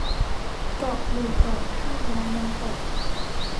เกาะ หมู่เกาะ ถ้ำ และน้ำตก